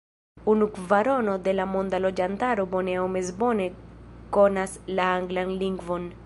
Unu kvarono de la monda loĝantaro bone aŭ mezbone konas la anglan lingvon.